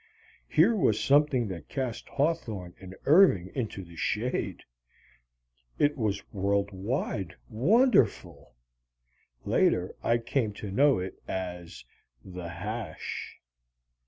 Here was something that cast Hawthorne and Irving into the shade. It was world wide, wonderful. (Later I came to know it as the "Hash"!)